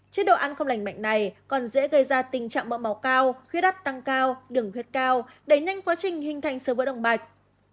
chế độ ăn không lành mạnh này còn dễ gây ra tình trạng mỡ màu cao khuyết đắt tăng cao đường khuyết cao đẩy nhanh quá trình hình thành sơ vỡ đồng bạch